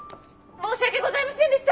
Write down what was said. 申し訳ございませんでした。